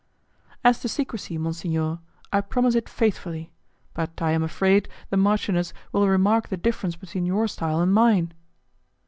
"As to secrecy, monsignor, I promise it faithfully; but I am afraid the marchioness will remark the difference between your style and mine."